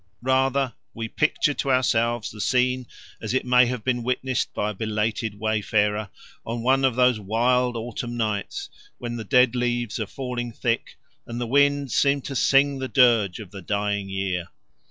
Rather we picture to ourselves the scene as it may have been witnessed by a belated wayfarer on one of those wild autumn nights when the dead leaves are falling thick, and the winds seem to sing the dirge of the dying year.